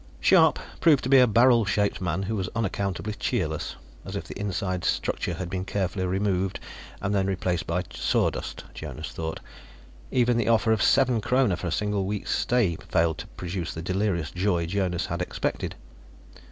Scharpe proved to be a barrel shaped man who was unaccountably cheerless, as if the inside structure had been carefully removed, and then replaced by sawdust, Jonas thought. Even the offer of seven kroner for a single week's stay failed to produce the delirious joy Jonas had expected.